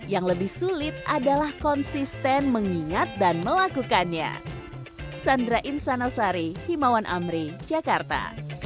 yang lebih sulit adalah konsisten mengingat dan melakukannya